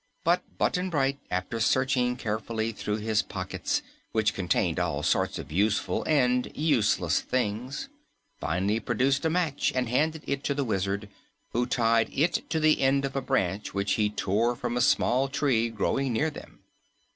But Button Bright, after searching carefully through his pockets, which contained all sorts of useful and useless things, finally produced a match and handed it to the Wizard, who tied it to the end of a branch which he tore from a small tree growing near them.